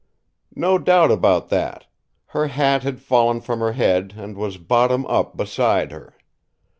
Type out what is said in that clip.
"No doubt about that. Her hat had fallen from her head and was bottom up beside her.